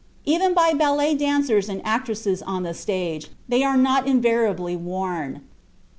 Even by ballet dancers and actresses on the stage, they were not invariably worn.